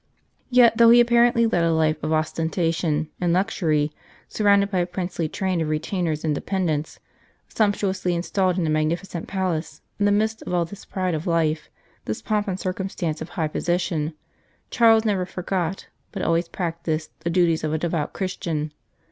Yet, though he apparently led a life of osten tation and luxury, surrounded by a princely train of retainers and dependents, sumptuously installed in a magnificent palace, in the mi dst of all this pride of life, this pomp and circum stance of high position, Charles never forgot, but always practised, the duties of a devout Christian.